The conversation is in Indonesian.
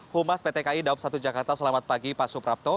humas pt kai daup satu jakarta selamat pagi pak suprapto